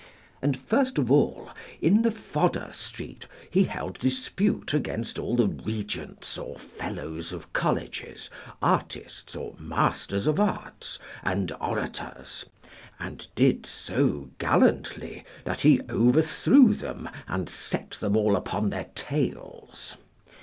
And first of all, in the Fodder Street he held dispute against all the regents or fellows of colleges, artists or masters of arts, and orators, and did so gallantly that he overthrew them and set them all upon their tails.